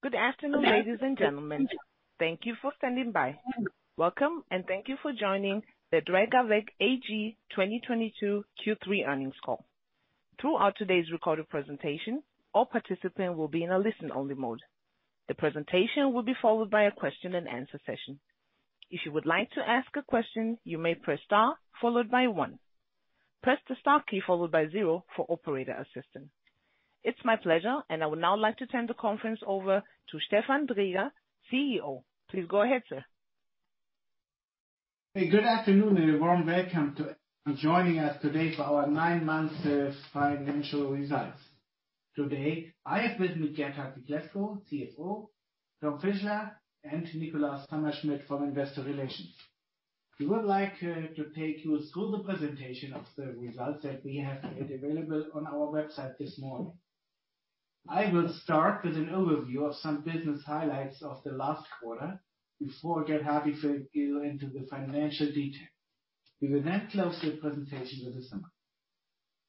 Good afternoon, ladies and gentlemen. Thank you for standing by. Welcome, and thank you for joining the Drägerwerk AG 2022 Q3 Earnings Call. Throughout today's recorded presentation, all participants will be in a listen-only mode. The presentation will be followed by a question-and-answer session. If you would like to ask a question, you may press star followed by one. Press the star key followed by zero for operator assistance. It's my pleasure, and I would now like to turn the conference over to Stefan Dräger, CEO. Please go ahead, sir. Hey, good afternoon and a warm welcome to joining us today for our nine-month financial results. Today I have with me Gert-Hartwig Lescow, CFO, Thomas Fischler, and Nikolaus Hammerschmidt from Investor Relations. We would like to take you through the presentation of the results that we have made available on our website this morning. I will start with an overview of some business highlights of the last quarter before Gert-Hartwig will take you into the financial detail. We will then close the presentation with the summary.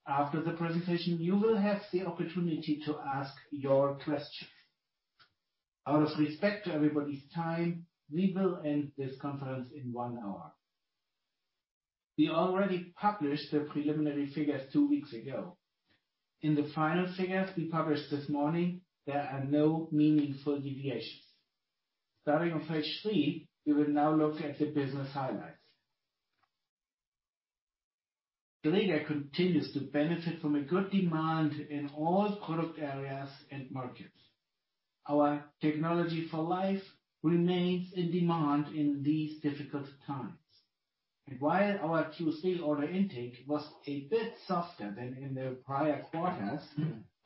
After the presentation, you will have the opportunity to ask your question. Out of respect to everybody's time, we will end this conference in one hour. We already published the preliminary figures two weeks ago. In the final figures we published this morning, there are no meaningful deviations. Starting on page three, we will now look at the business highlights. Dräger continues to benefit from a good demand in all product areas and markets. Our technology for life remains in demand in these difficult times. While our Q3 order intake was a bit softer than in the prior quarters,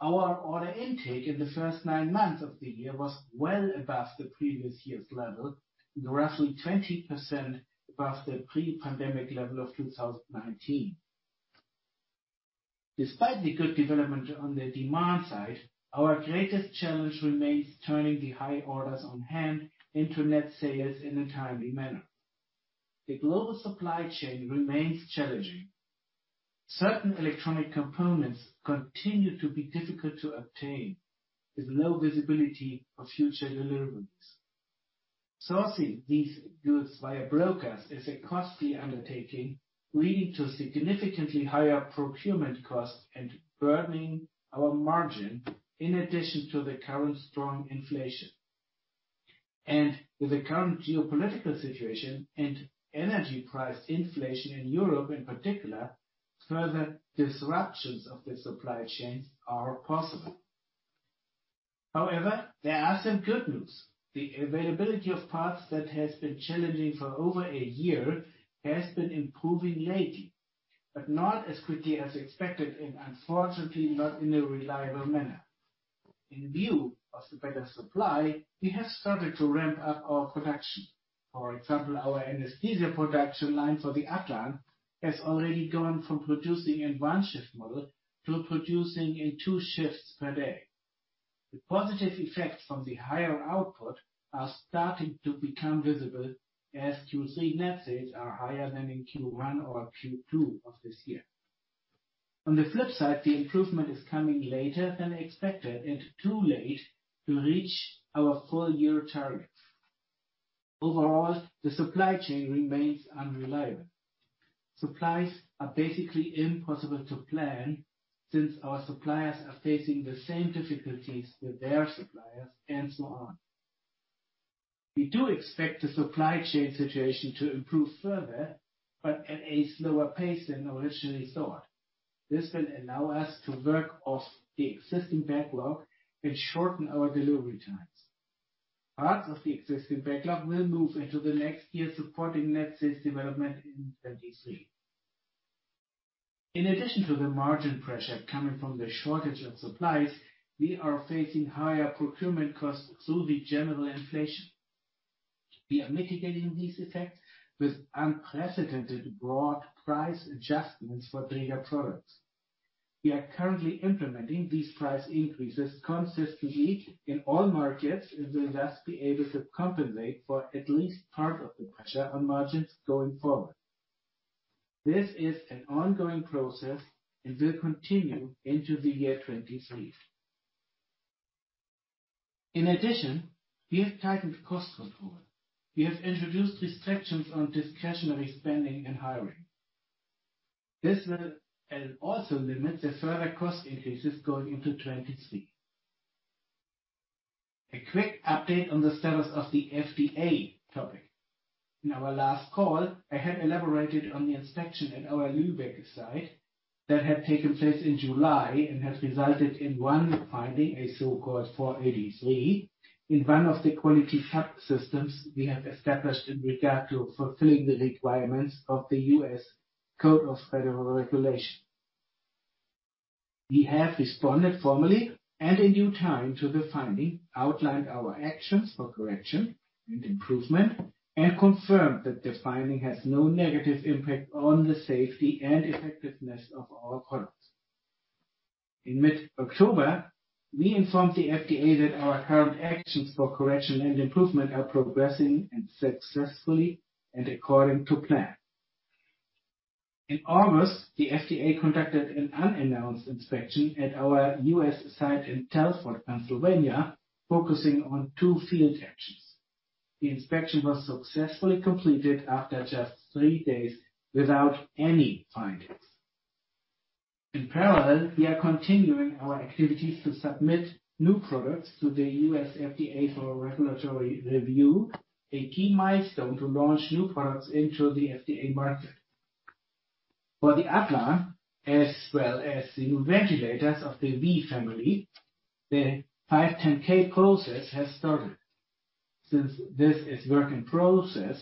our order intake in the first nine months of the year was well above the previous year's level, roughly 20% above the pre-pandemic level of 2019. Despite the good development on the demand side, our greatest challenge remains turning the high orders on hand into net sales in a timely manner. The global supply chain remains challenging. Certain electronic components continue to be difficult to obtain, with low visibility of future deliveries. Sourcing these goods via brokers is a costly undertaking, leading to significantly higher procurement costs and burdening our margin in addition to the current strong inflation. With the current geopolitical situation and energy price inflation in Europe in particular, further disruptions of the supply chains are possible. However, there are some good news. The availability of parts that has been challenging for over a year has been improving lately, but not as quickly as expected, and unfortunately, not in a reliable manner. In view of the better supply, we have started to ramp up our production. For example, our anesthesia production line for the Atlan has already gone from producing in one-shift model to producing in two shifts per day. The positive effects from the higher output are starting to become visible as Q3 net sales are higher than in Q1 or Q2 of this year. On the flip side, the improvement is coming later than expected and too late to reach our full-year targets. Overall, the supply chain remains unreliable. Supplies are basically impossible to plan since our suppliers are facing the same difficulties with their suppliers and so on. We do expect the supply chain situation to improve further, but at a slower pace than originally thought. This will allow us to work off the existing backlog and shorten our delivery times. Parts of the existing backlog will move into the next year, supporting net sales development in 2023. In addition to the margin pressure coming from the shortage of supplies, we are facing higher procurement costs through the general inflation. We are mitigating these effects with unprecedented broad price adjustments for Dräger products. We are currently implementing these price increases consistently in all markets and will thus be able to compensate for at least part of the pressure on margins going forward. This is an ongoing process and will continue into the year 2023. In addition, we have tightened cost control. We have introduced restrictions on discretionary spending and hiring. This will also limit the further cost increases going into 2023. A quick update on the status of the FDA topic. In our last call, I had elaborated on the inspection at our Lübeck site that had taken place in July and has resulted in one finding, a so-called 483. In one of the quality subsystems we have established in regard to fulfilling the requirements of the U.S. Code of Federal Regulations. We have responded formally and in due time to the finding, outlined our actions for correction and improvement, and confirmed that the finding has no negative impact on the safety and effectiveness of our products. In mid-October, we informed the FDA that our current actions for correction and improvement are progressing and successfully and according to plan. In August, the FDA conducted an unannounced inspection at our U.S. site in Telford, Pennsylvania, focusing on two field actions. The inspection was successfully completed after just three days without any findings. In parallel, we are continuing our activities to submit new products to the U.S. FDA for regulatory review, a key milestone to launch new products into the FDA market. For the Atlan, as well as the new ventilators of the V family, the 510(k) process has started. Since this is work in process,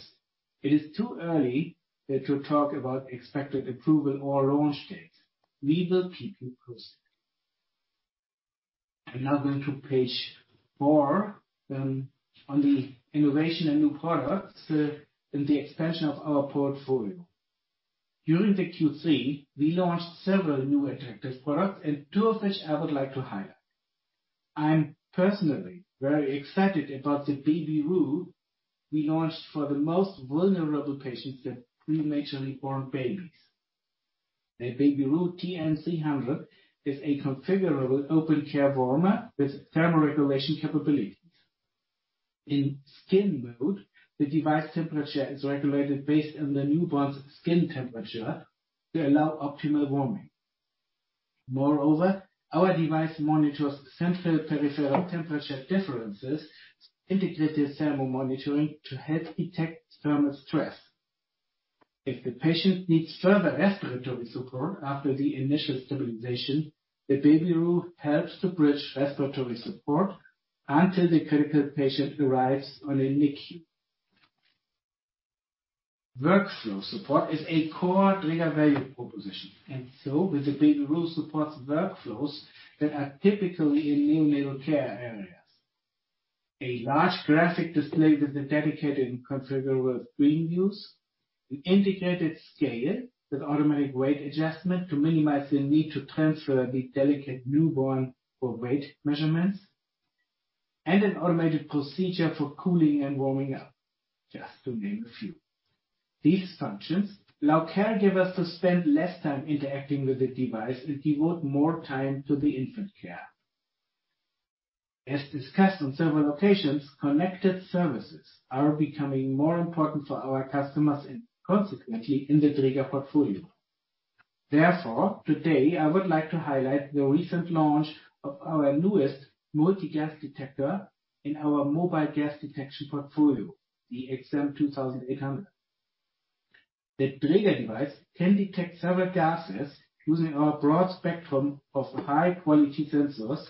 it is too early there to talk about expected approval or launch date. We will keep you posted. I'm now going to page four, on the innovation and new products, and the expansion of our portfolio. During the Q3, we launched several new attractive products, and two of which I would like to highlight. I'm personally very excited about the Babyroo we launched for the most vulnerable patients, the prematurely born babies. The Babyroo TN300 is a configurable open care warmer with thermoregulation capabilities. In skin mode, the device temperature is regulated based on the newborn's skin temperature to allow optimal warming. Moreover, our device monitors central-peripheral temperature differences, integrated thermal monitoring, to help detect thermal stress. If the patient needs further respiratory support after the initial stabilization, the Babyroo helps to bridge respiratory support until the critical patient arrives on a NICU. Workflow support is a core Dräger value proposition, and so the Babyroo supports workflows that are typically in neonatal care areas. A large graphic display with a dedicated and configurable screen views, an integrated scale with automatic weight adjustment to minimize the need to transfer the delicate newborn for weight measurements, and an automated procedure for cooling and warming up, just to name a few. These functions allow caregivers to spend less time interacting with the device and devote more time to the infant care. As discussed on several occasions, connected services are becoming more important for our customers and consequently in the Dräger portfolio. Therefore, today I would like to highlight the recent launch of our newest multi-gas detector in our mobile gas detection portfolio, the X-am 2800. The Dräger device can detect several gases using our broad spectrum of high-quality sensors,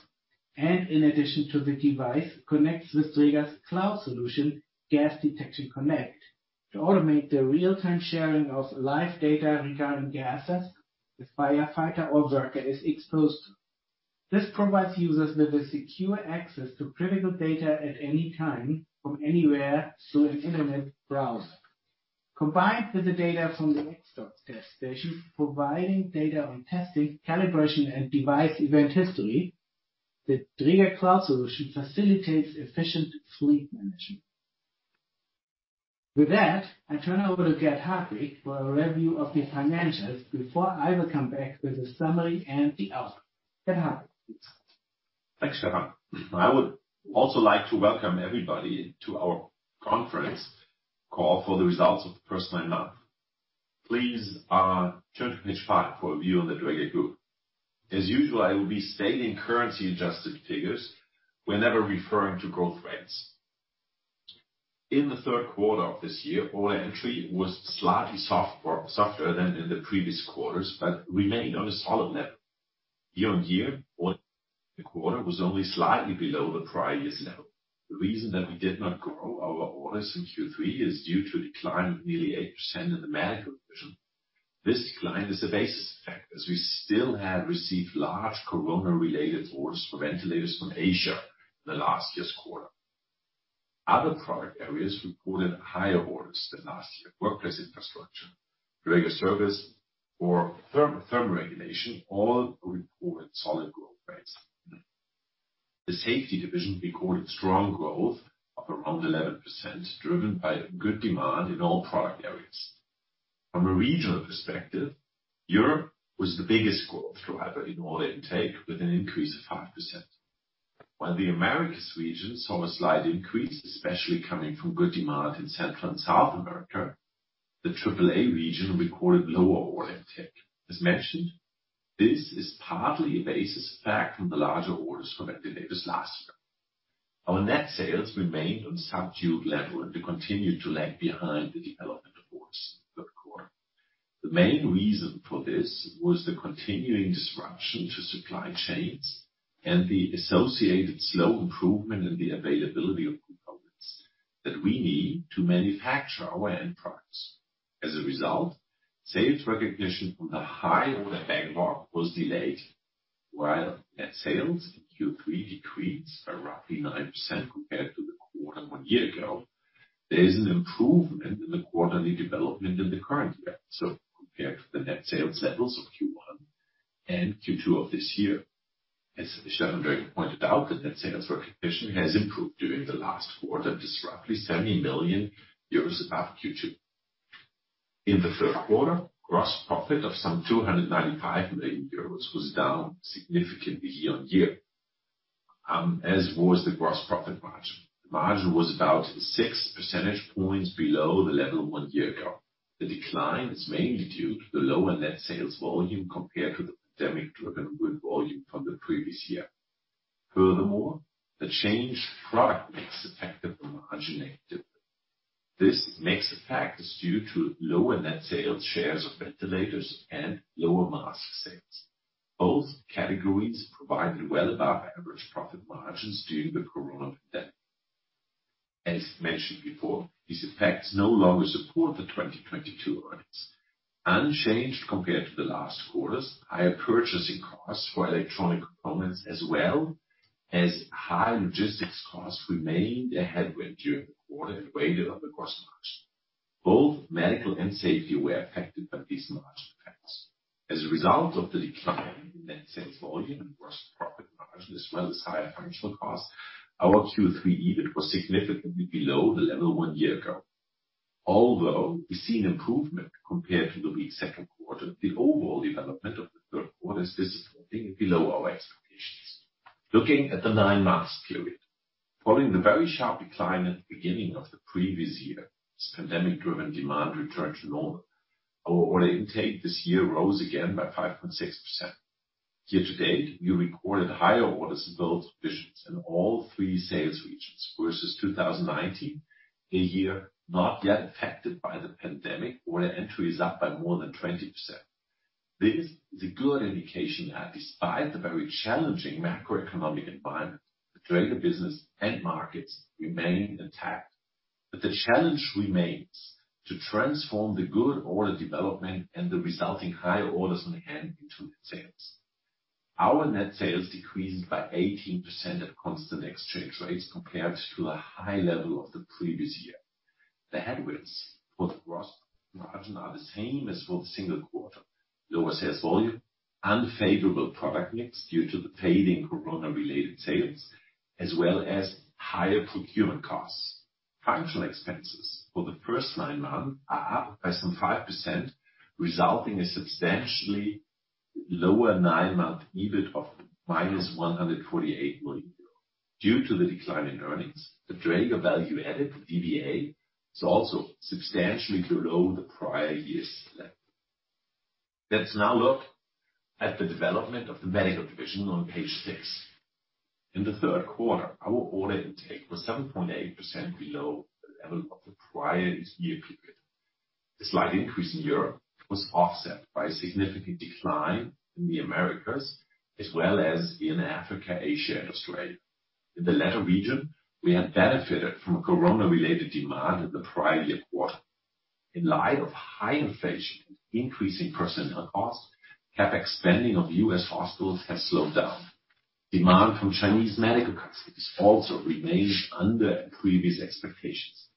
and in addition to the device, connects with Dräger's Cloud Solution, Gas Detection Connect, to automate the real-time sharing of live data regarding gases if firefighter or worker is exposed. This provides users with a secure access to critical data at any time from anywhere through an internet browser. Combined with the data from the X-am test stations, providing data on testing, calibration, and device event history, the Dräger Cloud Solution facilitates efficient fleet management. With that, I turn over to Gert-Hartwig Lescow for a review of the financials before I will come back with a summary and the outlook. Gert-Hartwig Lescow. Thanks, Stefan. I would also like to welcome everybody to our conference call for the results of the first nine months. Please, turn to page five for a view on the Dräger Group. As usual, I will be stating currency adjusted figures whenever referring to growth rates. In the third quarter of this year, order entry was slightly softer than in the previous quarters, but remained on a solid level. Year-on-year, order in the quarter was only slightly below the prior year's level. The reason that we did not grow our orders in Q3 is due to a decline of nearly 8% in the medical division. This decline is a base effect, as we still have received large COVID-related orders for ventilators from Asia in the last year's quarter. Other product areas reported higher orders than last year. Workplace, infrastructure, Dräger Service or thermoregulation all reported solid growth rates. The safety division recorded strong growth of around 11%, driven by good demand in all product areas. From a regional perspective, Europe was the biggest growth driver in order intake with an increase of 5%. While the Americas region saw a slight increase, especially coming from good demand in Central and South America, the APA region recorded lower order intake. As mentioned, this is partly a basis effect from the larger orders for ventilators last year. Our net sales remained on subdued level and they continued to lag behind the development of orders in the third quarter. The main reason for this was the continuing disruption to supply chains and the associated slow improvement in the availability of components that we need to manufacture our end products. As a result, sales recognition from the high order backlog was delayed. While net sales in Q3 decreased by roughly 9% compared to the quarter one year ago, there is an improvement in the quarterly development in the current year, so compared to the net sales levels of Q1 and Q2 of this year, as Stefan Dräger pointed out, the net sales recognition has improved during the last quarter, and is roughly 70 million above Q2. In the third quarter, gross profit of some 295 million euros was down significantly year-on-year, as was the gross profit margin. The margin was about 6 percentage points below the level one year ago. The decline is mainly due to the lower net sales volume compared to the pandemic-driven group volume from the previous year. Furthermore, the changed product mix affected the margin negatively. This mix effect is due to lower net sales shares of ventilators and lower mask sales. Both categories provided well above average profit margins during the corona pandemic. As mentioned before, these effects no longer support the 2022 earnings. Unchanged compared to the last quarters, higher purchasing costs for electronic components, as well as high logistics costs, remained a headwind during the quarter and weighed in on the gross margin. Both medical and safety were affected by these margin effects. As a result of the decline in net sales volume and gross profit margin, as well as higher functional costs, our Q3 EBIT was significantly below the level one year ago. Although we've seen improvement compared to the weak second quarter, the overall development of the third quarter is disappointing and below our expectations. Looking at the nine months period. Following the very sharp decline at the beginning of the previous year as pandemic driven demand returned to normal, our order intake this year rose again by 5.6%. Year to date, we recorded higher orders and book positions in all three sales regions versus 2019, a year not yet affected by the pandemic. Order entry is up by more than 20%. This is a good indication that despite the very challenging macroeconomic environment, the Dräger business end markets remain intact. The challenge remains to transform the good order development and the resulting higher orders on hand into net sales. Our net sales decreased by 18% at constant exchange rates compared to the high level of the previous year. The headwinds for the gross margin are the same as for the single quarter. Lower sales volume, unfavorable product mix due to the fading corona-related sales, as well as higher procurement costs. Functional expenses for the first nine months are up by some 5%, resulting in substantially lower nine-month EBIT of -148 million. Due to the decline in earnings, the Dräger Value Added, the DVA, is also substantially below the prior year's level. Let's now look at the development of the medical division on page 6. In the third quarter, our order intake was 7.8% below the level of the prior year period. The slight increase in Europe was offset by a significant decline in the Americas, as well as in Africa, Asia, and Australia. In the latter region, we had benefited from a corona-related demand in the prior year quarter. In light of high inflation and increasing personnel costs, CapEx spending of U.S. hospitals has slowed down. Demand from Chinese medical customers also remains under previous expectations.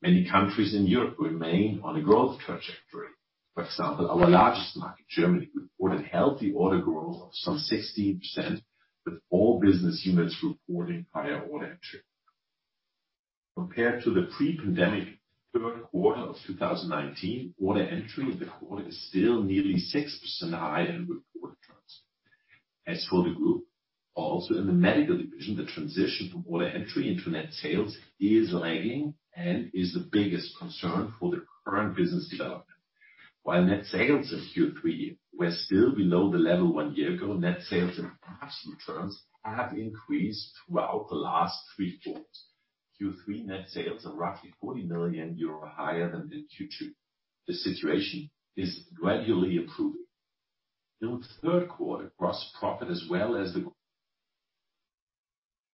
Many countries in Europe remain on a growth trajectory. For example, our largest market, Germany, reported healthy order growth of some 16%, with all business units reporting higher order entry. Compared to the pre-pandemic third quarter of 2019, order entry in the quarter is still nearly 6% higher than reported trends. As for the group, also in the medical division, the transition from order entry into net sales is lagging and is the biggest concern for the current business development. While net sales in Q3 were still below the level one year ago, net sales and past returns have increased throughout the last three quarters. Q3 net sales are roughly 40 million euro higher than in Q2. The situation is gradually improving. In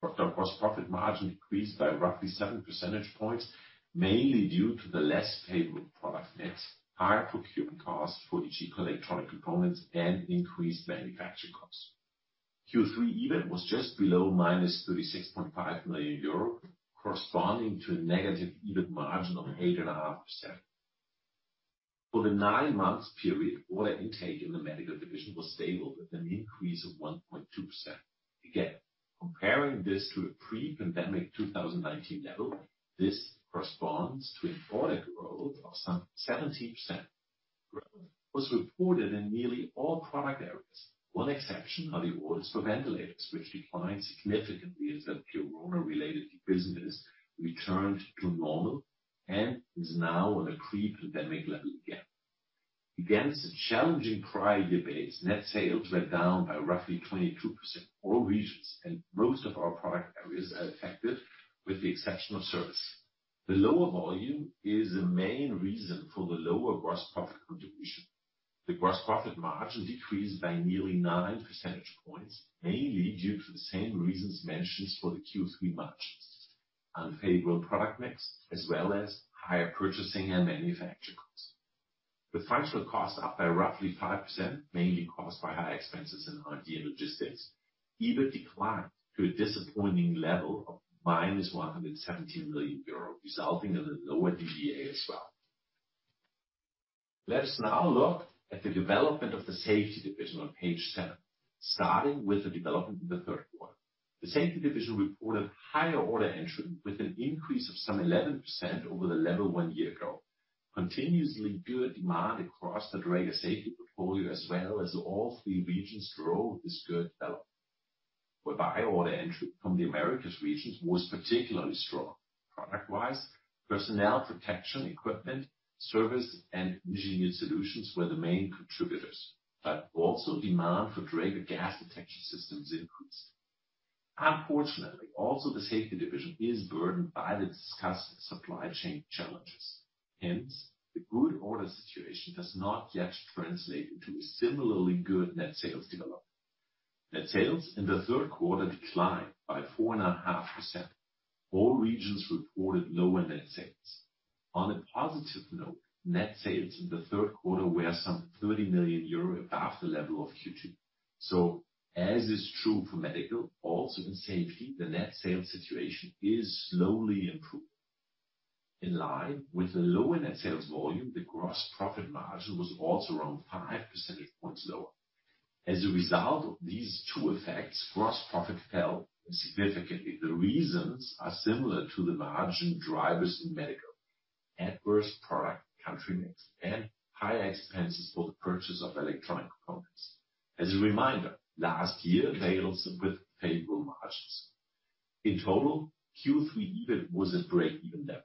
the third quarter, gross profit as well as the gross profit margin decreased by roughly 7 percentage points, mainly due to the less favorable product mix, higher procurement costs for the cheaper electronic components, and increased manufacturing costs. Q3 EBIT was just below -36.5 million euro, corresponding to a negative EBIT margin of 8.5%. For the nine months period, order intake in the medical division was stable with an increase of 1.2%. Again, comparing this to the pre-pandemic 2019 level, this corresponds to an order growth of some 17%. Growth was reported in nearly all product areas. One exception are the orders for ventilators, which declined significantly as the corona-related business returned to normal and is now on a pre-pandemic level again. Against the challenging prior year base, net sales were down by roughly 22%. All regions and most of our product areas are affected, with the exception of service. The lower volume is the main reason for the lower gross profit contribution. The gross profit margin decreased by nearly nine percentage points, mainly due to the same reasons mentioned for the Q3 margins. Unfavorable product mix, as well as higher purchasing and manufacturing costs. The functional costs are up by roughly 5%, mainly caused by higher expenses in IT and logistics. EBIT declined to a disappointing level of -117 million euro, resulting in a lower DVA as well. Let's now look at the development of the safety division on page seven, starting with the development in the third quarter. The safety division reported higher order entry with an increase of some 11% over the level one year ago. Continuously good demand across the Dräger safety portfolio as well as all three regions grow this good development, whereby order entry from the Americas regions was particularly strong. Product-wise, personal protection equipment, service, and Engineered Solutions were the main contributors, but also demand for Dräger Gas Detection systems increased. Unfortunately, also the safety division is burdened by the discussed supply chain challenges. Hence, the good order situation does not yet translate into a similarly good net sales development. Net sales in the third quarter declined by 4.5%. All regions reported lower net sales. On a positive note, net sales in the third quarter were some 30 million euro above the level of Q2. As is true for medical, also in safety, the net sales situation is slowly improving. In line with the lower net sales volume, the gross profit margin was also around five percentage points lower. As a result of these two effects, gross profit fell significantly. The reasons are similar to the margin drivers in medical, adverse product country mix, and higher expenses for the purchase of electronic components. As a reminder, last year sales with favorable margins. In total, Q3 EBIT was at break-even level.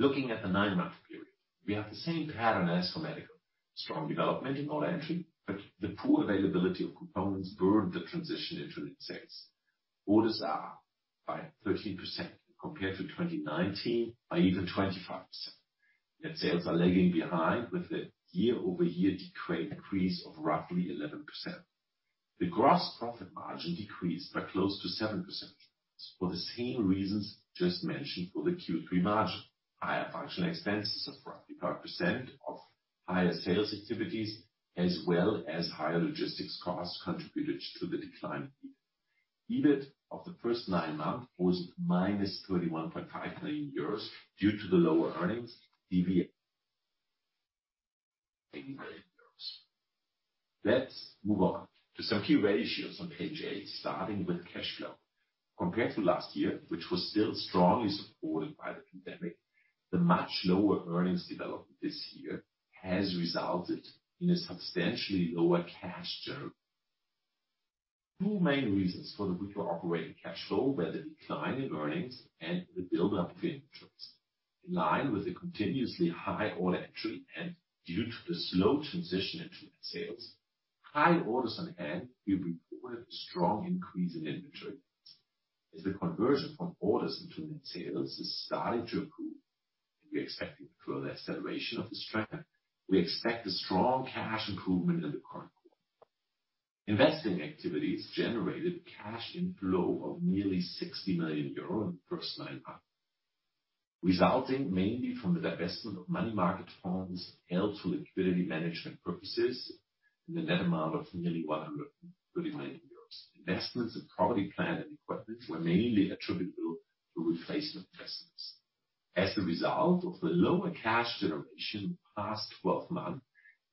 Looking at the 9-month period, we have the same pattern as for medical. Strong development in order entry, but the poor availability of components burned the transition into net sales. Orders are up by 13% compared to 2019, by even 25%. Net sales are lagging behind with a year-over-year increase of roughly 11%. The gross profit margin decreased by close to 7% for the same reasons just mentioned for the Q3 margin. Higher functional expenses of roughly 5% of higher sales activities as well as higher logistics costs contributed to the decline here. EBIT of the first nine months was -31.5 million euros due to the lower earnings euros. Let's move on to some key ratios on page 8, starting with cash flow. Compared to last year, which was still strongly supported by the pandemic, the much lower earnings development this year has resulted in a substantially lower cash generation. Two main reasons for the weaker operating cash flow were the decline in earnings and the buildup of inventories. In line with the continuously high order entry and due to the slow transition into net sales, high orders on hand, we reported a strong increase in inventory. As the conversion from orders into net sales has started to improve, we are expecting further acceleration of this trend. We expect a strong cash improvement in the current quarter. Investing activities generated cash inflow of nearly 60 million euro in the first nine months, resulting mainly from the divestment of money market funds held for liquidity management purposes in the net amount of nearly 130 million euros. Investments in property, plant, and equipment were mainly attributable to replacement investments. As a result of the lower cash generation in the past twelve months,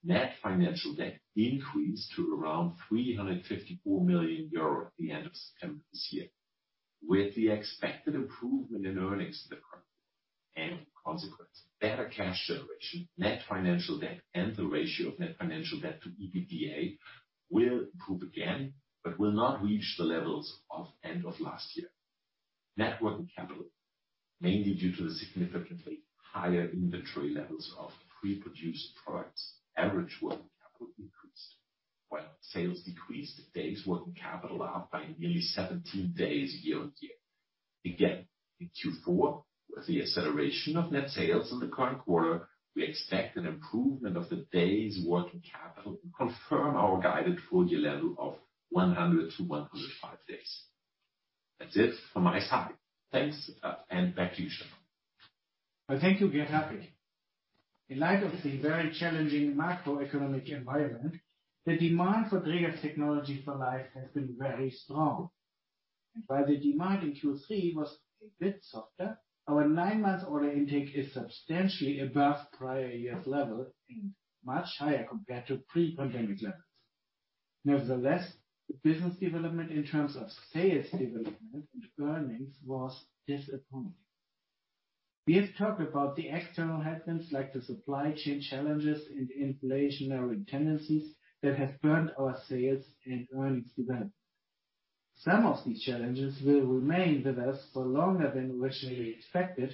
net financial debt increased to around 354 million euro at the end of September this year. With the expected improvement in earnings in the current year and consequently better cash generation, net financial debt and the ratio of net financial debt to EBITDA will improve again, but will not reach the levels of end of last year. Net working capital, mainly due to the significantly higher inventory levels of pre-produced products, average working capital increased. While sales decreased, the days working capital are up by nearly 17 days year-over-year. Again, in Q4, with the acceleration of net sales in the current quarter, we expect an improvement of the days working capital to confirm our guided full year level of 100 days-105 days. That's it from my side. Thanks, and back to you, Stefan. Well, thank you, Gerd. In light of the very challenging macroeconomic environment, the demand for Dräger's technology for life has been very strong. While the demand in Q3 was a bit softer, our nine-month order intake is substantially above prior year's level and much higher compared to pre-pandemic levels. Nevertheless, the business development in terms of sales development and earnings was disappointing. We have talked about the external headwinds like the supply chain challenges and inflationary tendencies that have burdened our sales and earnings development. Some of these challenges will remain with us for longer than originally expected,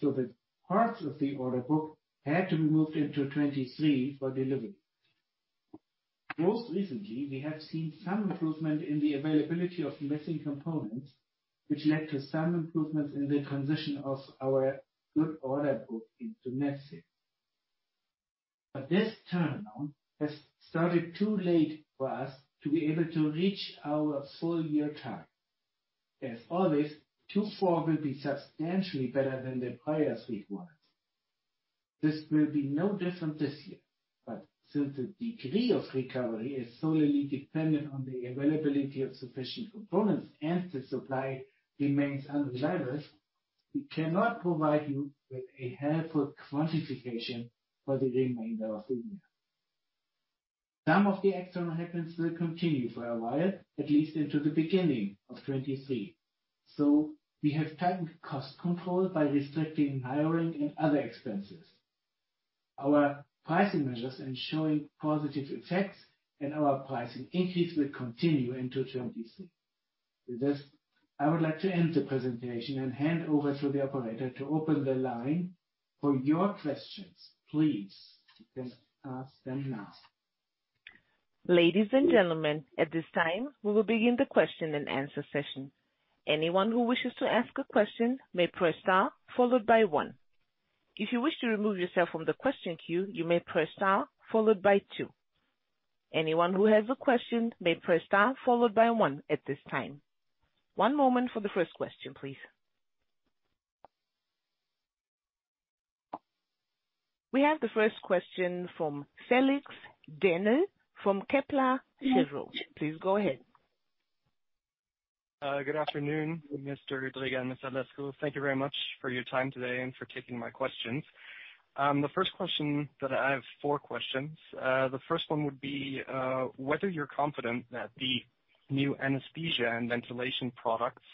so that parts of the order book had to be moved into 2023 for delivery. Most recently, we have seen some improvement in the availability of missing components, which led to some improvements in the transition of our good order book into net sales. This turnaround has started too late for us to be able to reach our full-year target. As always, Q4 will be substantially better than the prior three quarters. This will be no different this year. Since the degree of recovery is solely dependent on the availability of sufficient components and the supply remains unreliable, we cannot provide you with a helpful quantification for the remainder of the year. Some of the external headwinds will continue for a while, at least into the beginning of 2023. We have tightened cost control by restricting hiring and other expenses. Our pricing measures are showing positive effects, and our pricing increase will continue into 2023. With this, I would like to end the presentation and hand over to the operator to open the line for your questions. Please, you can ask them now. Ladies and gentlemen, at this time, we will begin the question and answer session. Anyone who wishes to ask a question may press star followed by one. If you wish to remove yourself from the question queue, you may press star followed by two. Anyone who has a question may press star followed by one at this time. One moment for the first question, please. We have the first question from Felix Dennl from Kepler Cheuvreux. Please go ahead. Good afternoon, Mr. Dräger and Mr. Lescow. Thank you very much for your time today and for taking my questions. The first question I have four questions. The first one would be, whether you're confident that the new anesthesia and ventilation products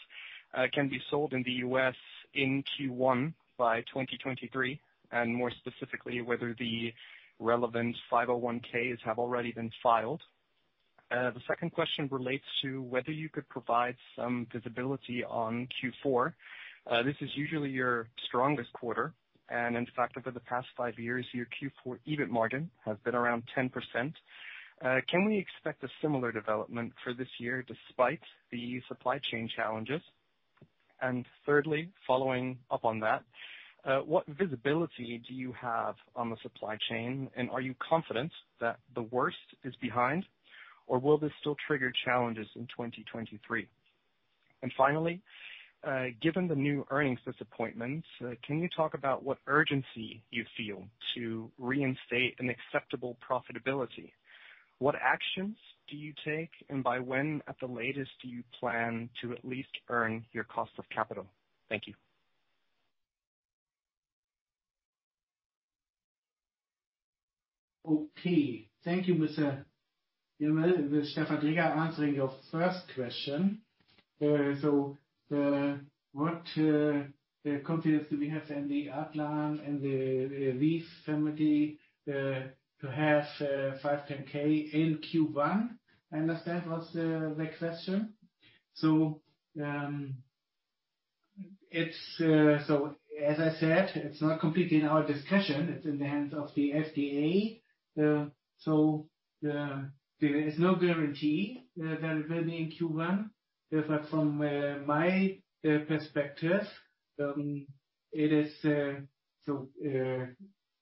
can be sold in the U.S. in Q1 2023, and more specifically, whether the relevant 510(k)s have already been filed. The second question relates to whether you could provide some visibility on Q4. This is usually your strongest quarter. In fact, over the past five years, your Q4 EBIT margin has been around 10%. Can we expect a similar development for this year despite the supply chain challenges? Thirdly, following up on that, what visibility do you have on the supply chain, and are you confident that the worst is behind, or will this still trigger challenges in 2023? Finally, given the new earnings disappointments, can you talk about what urgency you feel to reinstate an acceptable profitability? What actions do you take, and by when at the latest do you plan to at least earn your cost of capital? Thank you. Okay. Thank you, Mr. Dennl. Stefan Dräger answering your first question. What confidence do we have in the Atlan and the V family to have 510(k) in Q1? I understand was the next question. As I said, it's not completely in our hands. It's in the hands of the FDA. There is no guarantee that it will be in Q1. But from my perspective, it is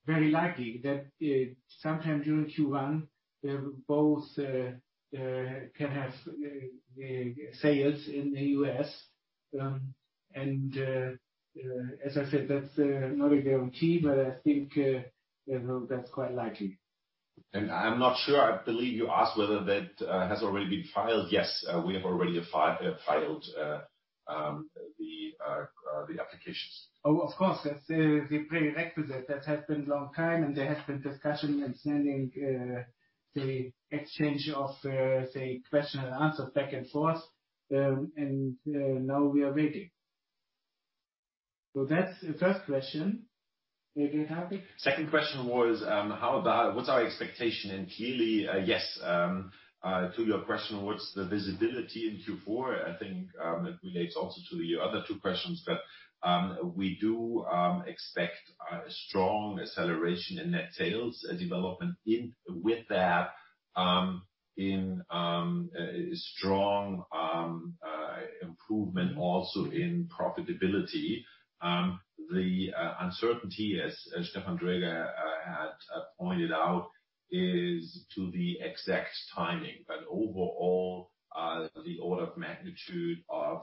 very likely that sometime during Q1, both can have sales in the U.S. And as I said, that's not a guarantee, but I think you know that's quite likely. I'm not sure. I believe you asked whether that has already been filed. Yes, we have already filed the applications. Oh, of course, that's the prerequisite. That has been a long time, and there has been discussion and sending the exchange of, say, question and answer back and forth. Now we are waiting. That's the first question. Did we have it? Second question was, what's our expectation? Clearly, yes, to your question, what's the visibility in Q4? I think it relates also to the other two questions, but we do expect a strong acceleration in net sales development, with that, strong improvement also in profitability. The uncertainty, as Stefan Dräger had pointed out, is to the exact timing. Overall, the order of magnitude of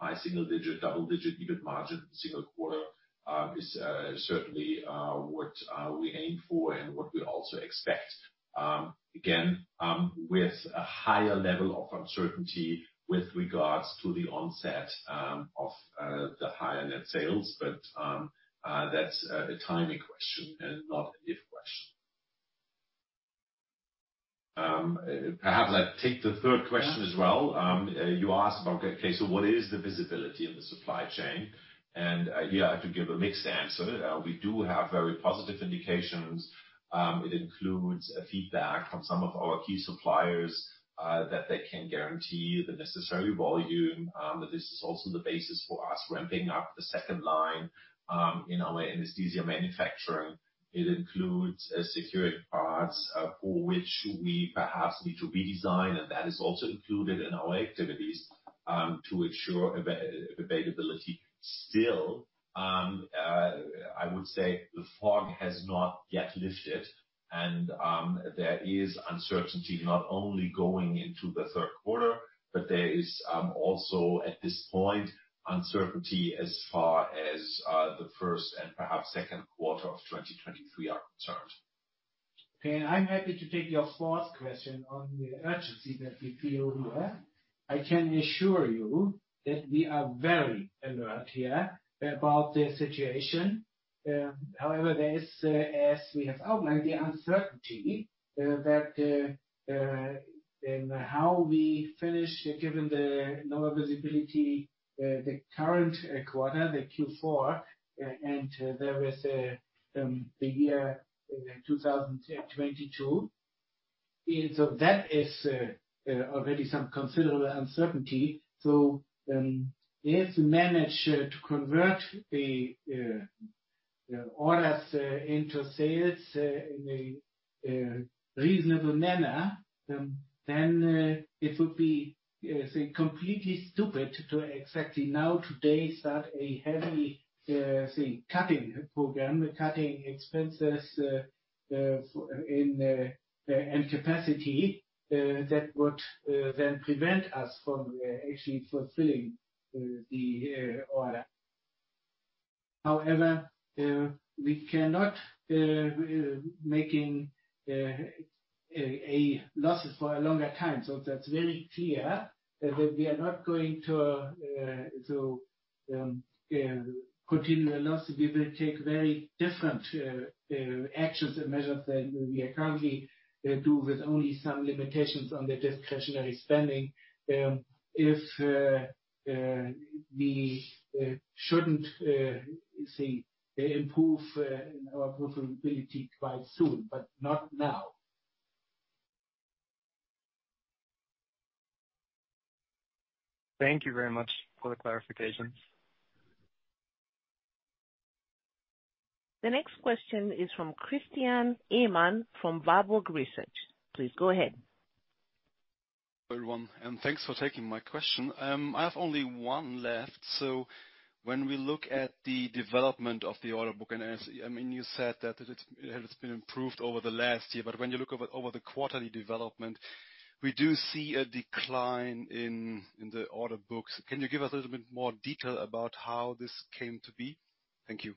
high single digit, double-digit EBIT margin single quarter is certainly what we aim for and what we also expect, again, with a higher level of uncertainty with regards to the onset of the higher net sales. That's a timing question and not an if question. Perhaps I take the third question as well. You asked about, okay, so what is the visibility in the supply chain? Here I have to give a mixed answer. We do have very positive indications. It includes a feedback from some of our key suppliers that they can guarantee the necessary volume. This is also the basis for us ramping up the second line in our anesthesia manufacturing. It includes security parts for which we perhaps need to redesign, and that is also included in our activities to ensure availability. Still, I would say the fog has not yet lifted, and there is uncertainty not only going into the third quarter, but there is also at this point, uncertainty as far as the first and perhaps second quarter of 2023 are concerned. Okay. I'm happy to take your fourth question on the urgency that we feel here. I can assure you that we are very alert here about the situation. However, there is, as we have outlined, the uncertainty in how we finish, given the lower visibility, the current quarter, the Q4, and there is the year 2022. That is already some considerable uncertainty. If we manage to convert the orders into sales in a reasonable manner, then it would be, say, completely stupid to exactly now today start a heavy, say, cutting program, cutting expenses and capacity, that would then prevent us from actually fulfilling the order. However, we cannot make a loss for a longer time, so that's very clear. That we are not going to continue the loss. We will take very different actions and measures than we are currently doing with only some limitations on the discretionary spending, if we shouldn't improve our profitability quite soon, but not now. Thank you very much for the clarification. The next question is from Christian Ehmann from Warburg Research. Please go ahead. Hello, everyone, and thanks for taking my question. I have only one left. When we look at the development of the order book, and as, I mean, you said that it has been improved over the last year, but when you look over the quarterly development, we do see a decline in the order books. Can you give us a little bit more detail about how this came to be? Thank you.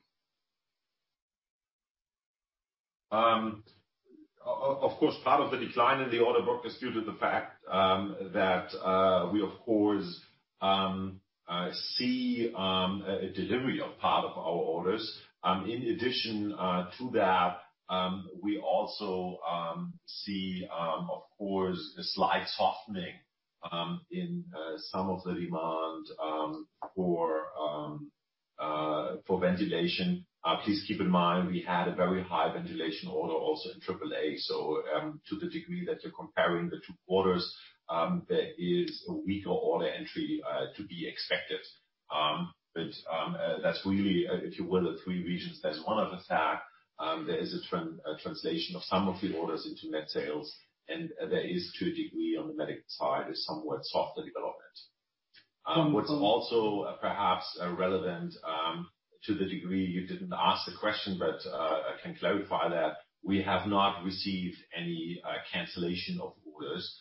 Of course, part of the decline in the order book is due to the fact that we of course see a delivery of part of our orders. In addition to that, we also see of course a slight softening in some of the demand for ventilation. Please keep in mind we had a very high ventilation order also in Q3. To the degree that you're comparing the two quarters, there is a weaker order entry to be expected. That's really, if you will, the three reasons. That's one of the fact, there is a translation of some of the orders into net sales, and there is, to a degree, on the medical side, a somewhat softer development. What's also perhaps relevant, to the degree you didn't ask the question, but I can clarify that we have not received any cancellation of orders.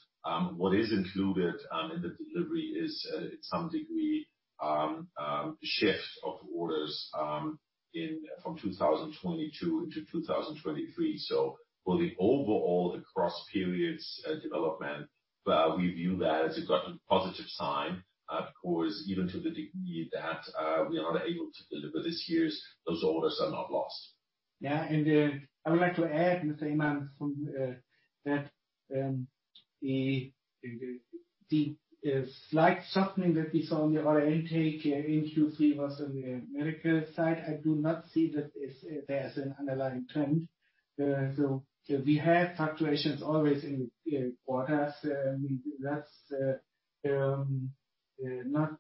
What is included in the delivery is some degree shift of orders from 2022 into 2023. For the overall across periods development, we view that as a positive sign. Of course, even to the degree that we are able to deliver this year's, those orders are not lost. I would like to add, Mr. Ehmann, that the slight softening that we saw in the order intake in Q3 was on the medical side. I do not see that as there's an underlying trend. We have fluctuations always in quarters. That's not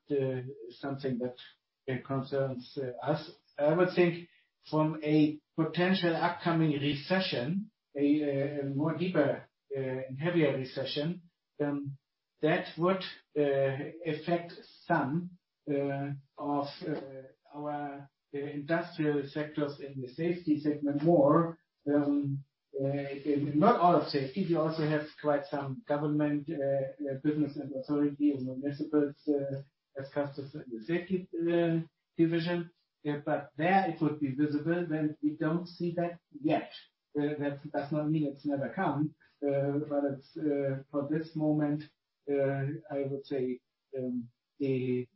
something that concerns us. I would think from a potential upcoming recession, a more deeper and heavier recession, then that would affect some of our industrial sectors in the safety segment more, not all of safety. We also have quite some government business and authorities and municipalities as customers in the safety division. There it would be visible, and we don't see that yet. That does not mean it's never come, but it's for this moment, I would say, the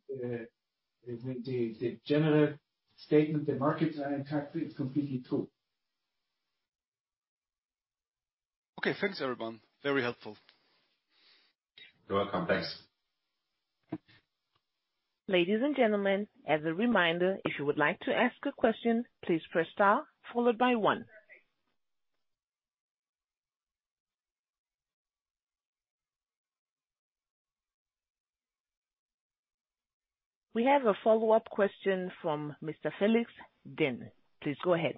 general statement the markets are impacted is completely true. Okay. Thanks, everyone. Very helpful. You're welcome. Thanks. Ladies and gentlemen, as a reminder, if you would like to ask a question, please press star followed by one. We have a follow-up question from Mr. Felix Dennl. Please go ahead.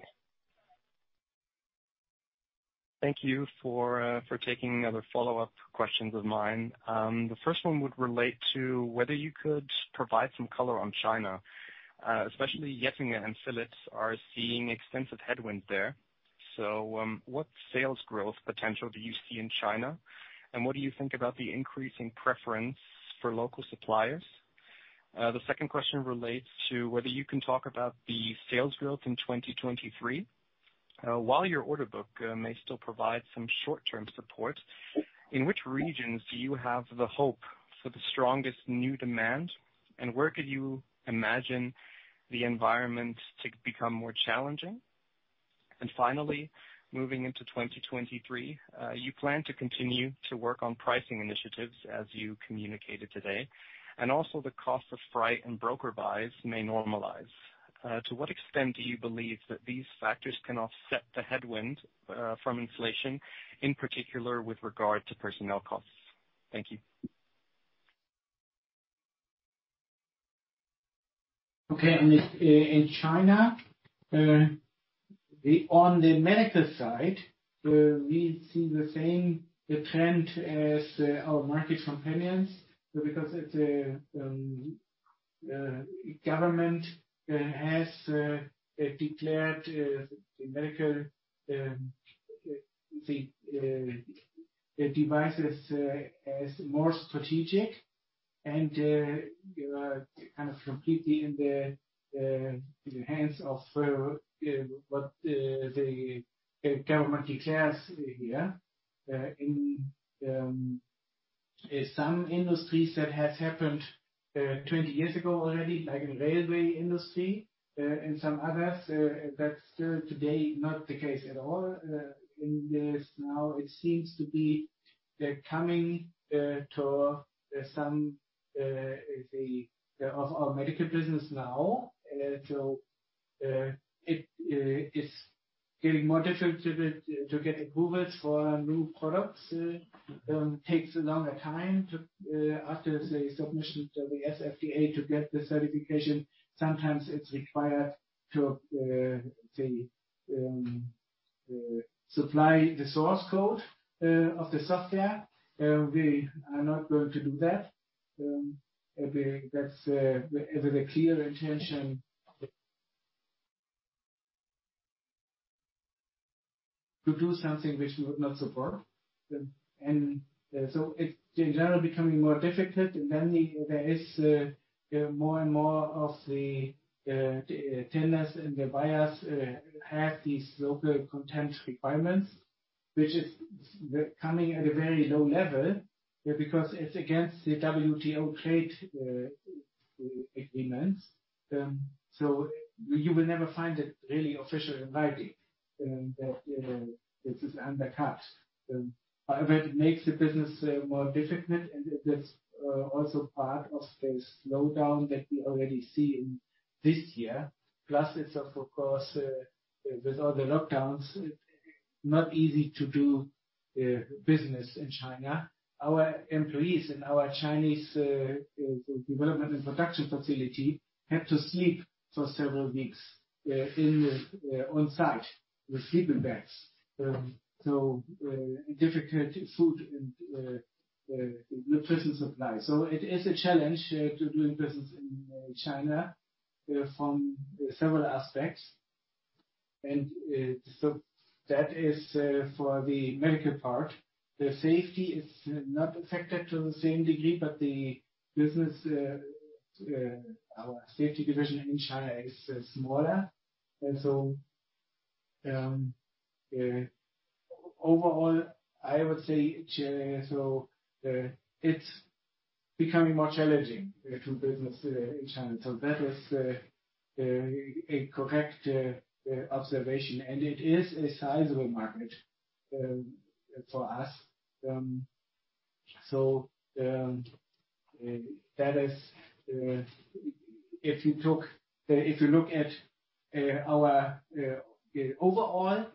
Thank you for taking other follow-up questions of mine. The first one would relate to whether you could provide some color on China. Especially Getinge and Philips are seeing extensive headwind there. What sales growth potential do you see in China? And what do you think about the increasing preference for local suppliers? The second question relates to whether you can talk about the sales growth in 2023. While your order book may still provide some short-term support, in which regions do you have the hope for the strongest new demand? And where could you imagine the environment to become more challenging? Finally, moving into 2023, you plan to continue to work on pricing initiatives as you communicated today, and also the cost of freight and broker buys may normalize. To what extent do you believe that these factors can offset the headwind from inflation, in particular with regard to personnel costs? Thank you. It's in China, on the medical side, we see the same trend as our market competitors because the government has declared the medical devices as more strategic and kind of completely in the hands of what the government declares here. In some industries that has happened 20 years ago already, like in railway industry, and some others, that's still today not the case at all. It now seems they're coming to some of our medical business now. It is getting more difficult to get approvals for new products. It takes a longer time after the submission to the SFDA to get the certification. Sometimes it's required to supply the source code of the software. We are not going to do that. That's the clear intention. To do something which would not support. It's in general becoming more difficult. Then there is more and more of the tenders and the buyers have these local content requirements, which is coming at a very low level, because it's against the WTO trade agreements. You will never find it really official in writing that you know this is undercut. It makes the business more difficult. That's also part of the slowdown that we already see in this year. Plus it's of course with all the lockdowns not easy to do business in China. Our employees in our Chinese development and production facility had to sleep for several weeks on site with sleeping bags. Difficult food and nutrition supply. It is a challenge to do business in China from several aspects. That is for the medical part. The safety is not affected to the same degree, but the business, our safety division in China is smaller. Overall, I would say, it's becoming more challenging to do business in China. That is a correct observation. It is a sizable market for us. That is, if you look at our overall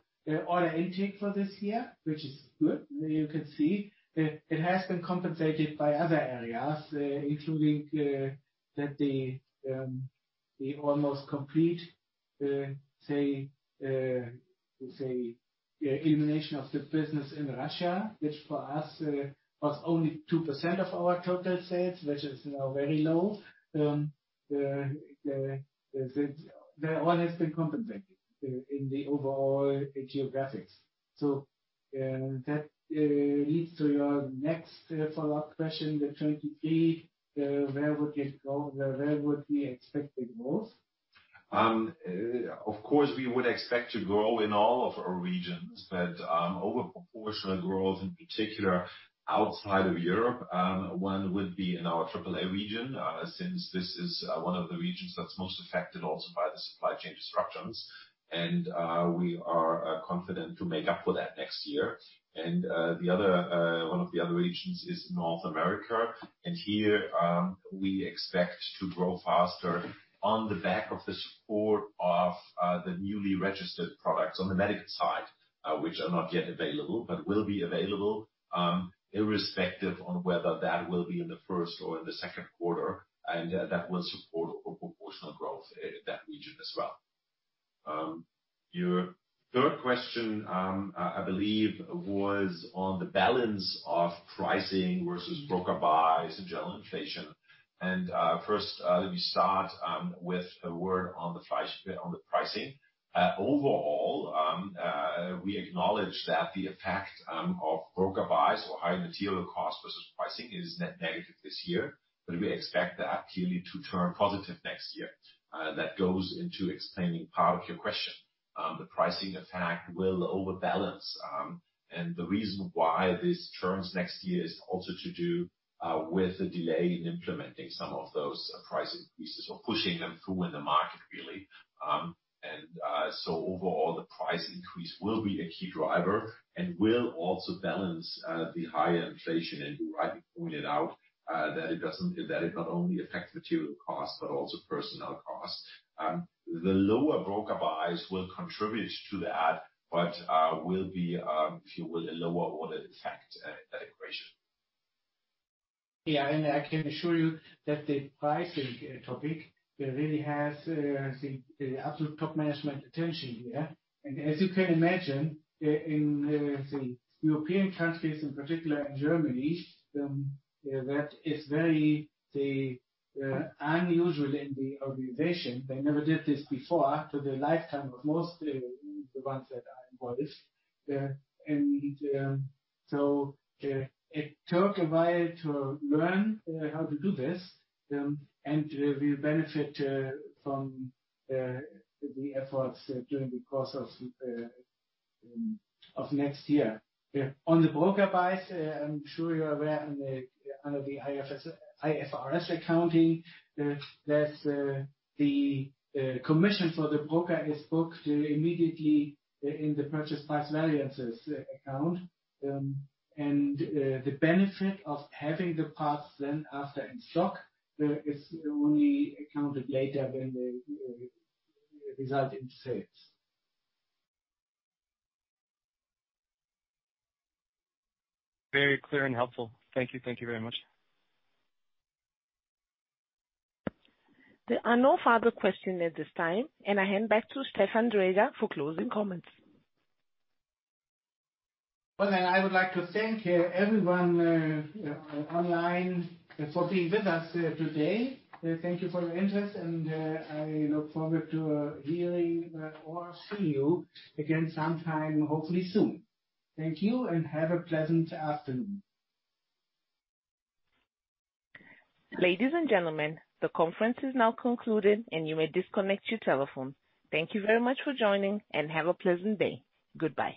order intake for this year, which is good, you can see it has been compensated by other areas, including that the almost complete elimination of the business in Russia, which for us was only 2% of our total sales, which is now very low. All has been compensated in the overall geographies. That leads to your next follow-up question. 2023, where would it go? Where would we expect its growth? Of course, we would expect to grow in all of our regions, but over proportional growth, in particular outside of Europe. One would be in our AAA Region, since this is one of the regions that's most affected also by the supply chain disruptions. We are confident to make up for that next year. The other one of the other regions is North America. Here, we expect to grow faster on the back of the support of the newly registered products on the medical side, which are not yet available, but will be available, irrespective on whether that will be in the first or in the second quarter. That will support over proportional growth in that region as well. Your third question, I believe was on the balance of pricing versus broker buys and general inflation. First, let me start with a word on the pricing. Overall, we acknowledge that the effect of broker buys or higher material costs versus pricing is net negative this year. We expect that clearly to turn positive next year. That goes into explaining part of your question. The pricing effect will over-balance. The reason why this turns next year is also to do with the delay in implementing some of those price increases or pushing them through in the market really. Overall the price increase will be a key driver and will also balance the higher inflation. You rightly pointed out that it not only affects material costs, but also personnel costs. The lower broker buys will contribute to that, but will be, if you will, a lower order effect in that equation. Yeah. I can assure you that the pricing topic really has the absolute top management attention here. As you can imagine, in say, European countries in particular in Germany, that is very unusual in the organization. They never did this before in the lifetime of most the ones that are involved. It took a while to learn how to do this, and we benefit from the efforts during the course of next year. Yeah. On the broker buys, I'm sure you're aware, under the IFRS accounting, there's the commission for the broker is booked immediately in the Purchase Price Variance account. The benefit of having the parts then after in stock is only accounted later when they result in sales. Very clear and helpful. Thank you. Thank you very much. There are no further questions at this time. I hand back to Stefan Dräger for closing comments. Well, I would like to thank everyone online for being with us today. Thank you for your interest and I look forward to hearing or see you again sometime, hopefully soon. Thank you, and have a pleasant afternoon. Ladies and gentlemen, the conference is now concluded and you may disconnect your telephone. Thank you very much for joining and have a pleasant day. Goodbye.